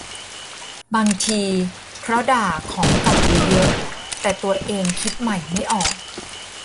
บางทีเพราะด่าของเก่าไว้เยอะ แต่ตัวเองคิดใหม่ไม่ออก